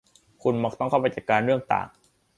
คุณมักต้องเข้าไปจัดการเรื่องต่าง